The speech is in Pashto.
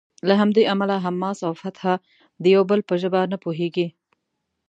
له همدې امله حماس او فتح د یو بل په ژبه نه پوهیږي.